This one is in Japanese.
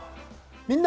「みんな！